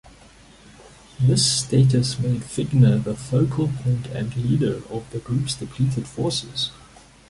This status made Figner the focal point and leader of the group's depleted forces.